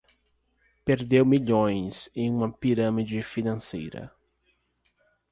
Perdeu milhões em uma pirâmide financeira